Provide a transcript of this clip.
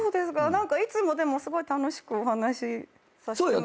何かいつもでもすごい楽しくお話しさしてもらってるなって。